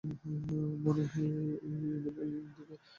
মানে, ওই খুনি ইঁদুরের দিকে?